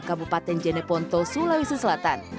kabupaten jeneponto sulawesi selatan